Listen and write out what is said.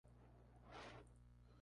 Recuperación estanqueidad.